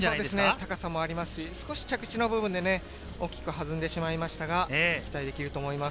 高さもありますし、少し着地の部分で大きく弾んでしまいましたが期待できると思います。